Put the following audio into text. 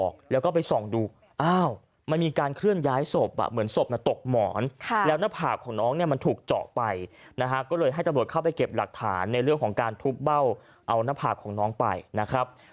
ก็เลยให้ตำรวจเข้าไปเก็บหลักฐานในเรื่องของการทุบเบ้าเอาหน้าผากของน้องไปนะครับ